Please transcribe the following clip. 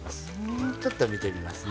ちょっと見てみますね。